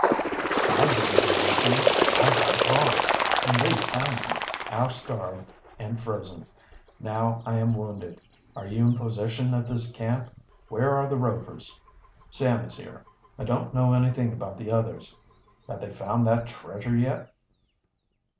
"I didn't desert you. I got lost, and they found me, half starved and frozen. Now I am wounded. Are you in possession of this camp? Where are the Rovers?" "Sam is here. I don't know anything about the others. Have they found that treasure yet?"